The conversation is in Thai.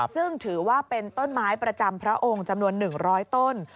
ซึ่งถือว่าเป็นต้นไม้ประจำพระองค์จำนวน๑๐๐ต้น